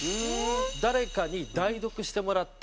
誰かに代読してもらって。